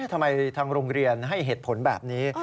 ทางโรงเรียนให้เหตุผลแบบนี้